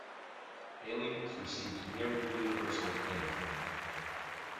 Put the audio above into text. "Aliens" received nearly universal acclaim.